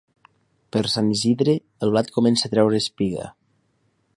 Per Sant Isidre el blat comença a treure espiga.